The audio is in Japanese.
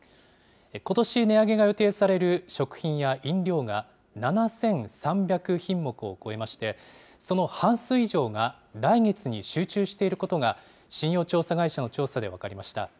ことし、値上げが予定される食品や飲料が、７３００品目を超えまして、その半数以上が来月に集中していることが、信用調査会社の調査で分かりました。